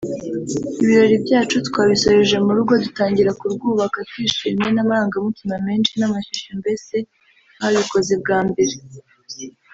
Ibirori byacu twabisoreje mu rugo dutangira kurwubaka twishimye n’amarangamutima menshi n’amashyushyu mbese nk’ababikoze bwa mbere